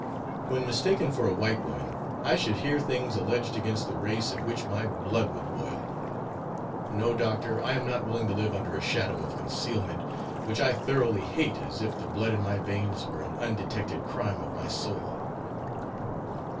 When mistaken for a white woman, I should hear things alleged against the race at which my blood would boil. No, Doctor, I am not willing to live under a shadow of concealment which I thoroughly hate as if the blood in my veins were an undetected crime of my soul."